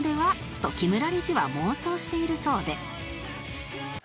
と木村理事は妄想しているそうで